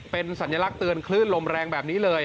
เป็นสัญลักษณ์เตือนคลื่นลมแรงแบบนี้เลย